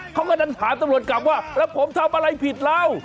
เขาก็ดันถามตำรวจกลับว่าแล้วผมทำอะไรผิดเรา